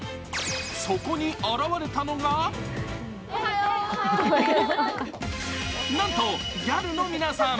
そこに現れたのがなんとギャルの皆さん。